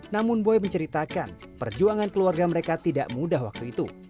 namun boy menceritakan perjuangan keluarga mereka tidak mudah waktu itu